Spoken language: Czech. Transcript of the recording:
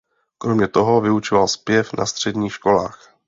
Kromě toho vyučoval zpěv na středních školách.